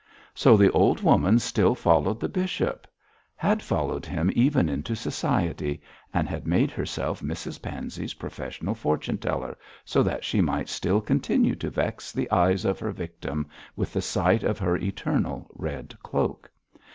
So the old woman still followed the bishop? had followed him even into society, and had made herself Mrs Pansey's professional fortune teller so that she might still continue to vex the eyes of her victim with the sight of her eternal red cloak.